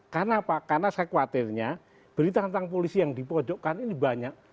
karena apa karena saya khawatirnya berita tentang polisi yang dipojokkan ini banyak